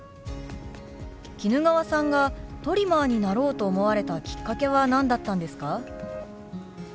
衣川さんがトリマーになろうと思われたきっかけは何だったんですか？